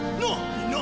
みんな！